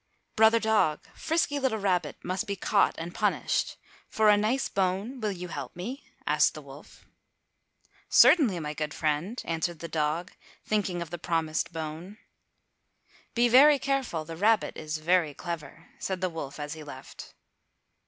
"Brother dog, frisky little rabbit must be caught and punished. For a nice bone will you help me?" asked the wolf. "Certainly, my good friend," answered the dog, thinking of the promised bone. "Be very careful, the rabbit is very clever," said the wolf as he left.